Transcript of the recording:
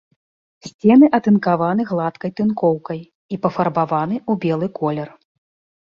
Сцены атынкаваны гладкай тынкоўкай і пафарбаваны ў белы колер.